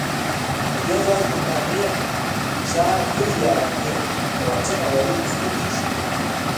له دې ځای تر کامې چا کړي یارانې د واټن او اړیکو ستونزې ښيي